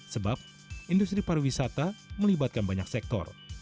sebab industri pariwisata melibatkan banyak sektor